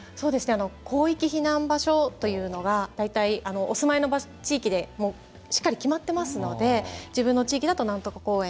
広域避難場所というのはお住まいの地域でしっかり決まってますので自分の地域だと、なんとか公園